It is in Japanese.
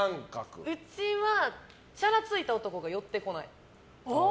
うちは、チャラついた男が寄ってこない。